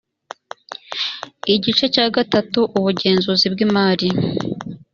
igice cya gatatu ubugenzuzi bw imari